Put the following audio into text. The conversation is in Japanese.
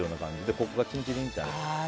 ここがチリンチリンって。